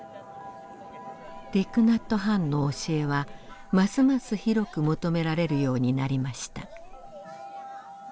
ティク・ナット・ハンの教えはますます広く求められるようになりました。